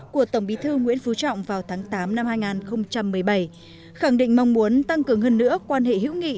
của tổng bí thư nguyễn phú trọng vào tháng tám năm hai nghìn một mươi bảy khẳng định mong muốn tăng cường hơn nữa quan hệ hữu nghị